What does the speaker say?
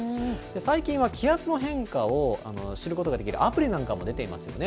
最近は気圧の変化を知ることができるアプリなんかも出ていますよね。